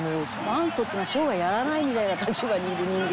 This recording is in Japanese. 「バントっていうのは生涯やらないみたいな立場にいる人間」